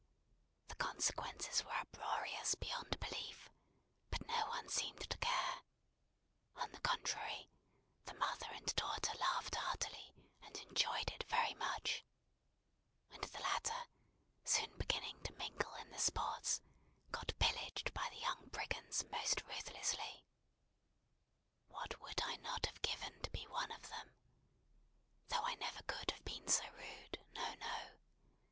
The consequences were uproarious beyond belief; but no one seemed to care; on the contrary, the mother and daughter laughed heartily, and enjoyed it very much; and the latter, soon beginning to mingle in the sports, got pillaged by the young brigands most ruthlessly. What would I not have given to be one of them! Though I never could have been so rude, no, no!